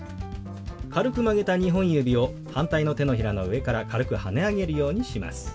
軽く曲げた２本指を反対の手のひらの上から軽くはね上げるようにします。